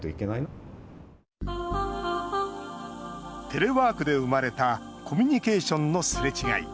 テレワークで生まれたコミュニケーションのすれ違い。